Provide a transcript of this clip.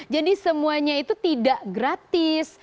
jadi semuanya itu tidak gratis